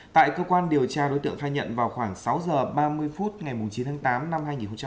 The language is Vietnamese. tại cơ quan điều tra đối tượng phai nhận vào khoảng sáu h ba mươi phút ngày chín tháng tám năm hai nghìn một mươi sáu